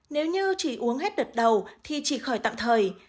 nếu như chỉ uống hết đợt đầu thì chỉ khỏi tạm thời